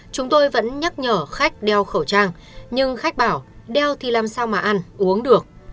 chúng tôi vẫn nhắc nhở khách đeo khẩu trang nhưng khách bảo đeo thì làm sao mà ăn uống được